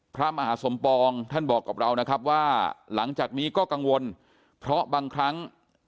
พระมหาสมปองท่านบอกกับเรานะครับว่าหลังจากนี้ก็กังวลเพราะบางครั้ง